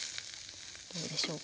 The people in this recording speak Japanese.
どうでしょうか？